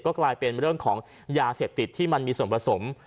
กลายเป็นเรื่องของยาเสพติดที่มันมีส่วนผสม